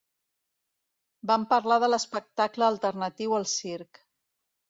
Vam parlar de l'espectacle alternatiu al circ.